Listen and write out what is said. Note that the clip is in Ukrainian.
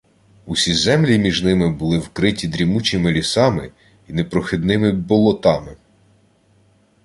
Усі землі між ними були вкриті дрімучими лісами й непрохідними болотами